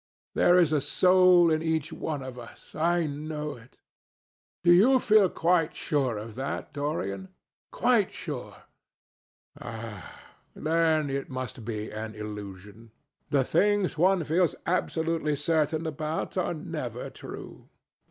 There is a soul in each one of us. I know it." "Do you feel quite sure of that, Dorian?" "Quite sure." "Ah! then it must be an illusion. The things one feels absolutely certain about are never true.